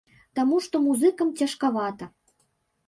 Таму што музыкам цяжкавата.